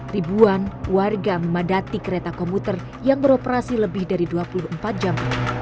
ribuan warga memadati kereta komuter yang beroperasi lebih dari dua puluh empat jam